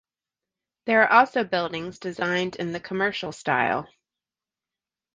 There are also buildings designed in the Commercial style.